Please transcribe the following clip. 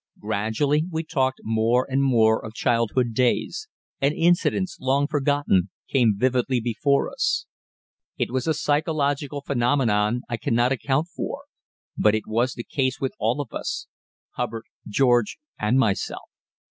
Gradually we talked more and more of childhoods days, and incidents, long forgotten, came vividly before us. It was a psychological phenomenon I cannot account for; but it was the case with all of us Hubbard, George, and myself.